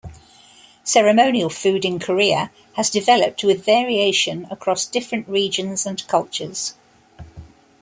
Ceremonial food in Korea has developed with variation across different regions and cultures.